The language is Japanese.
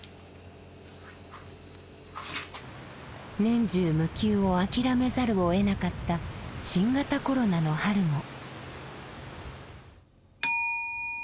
年中無休を諦めざるをえなかった新型コロナの春も。